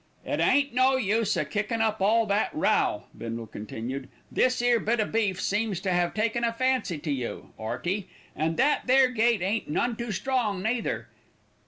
"It ain't no use a kickin' up all that row," Bindle continued. "This 'ere bit o' beef seems to 'ave taken a fancy to you, 'Earty, an' that there gate ain't none too strong, neither.